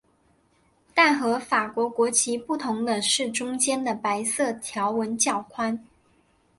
但和法国国旗不同的是中间的白色条纹较宽。